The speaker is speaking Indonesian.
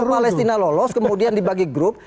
palestina lolos kemudian dibagi grup